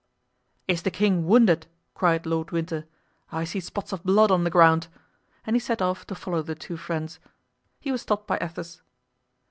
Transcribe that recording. "Is the king wounded?" cried Lord Winter. "I see spots of blood on the ground." And he set off to follow the two friends. He was stopped by Athos.